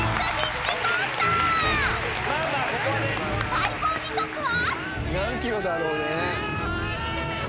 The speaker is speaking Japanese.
［最高時速は］